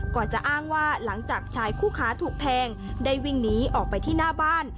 ก่อนจะอ้างว่าหลังจากชายคู่ค้าถูกแทงได้วิ่งหนีออกไปที่หน้าบ้าน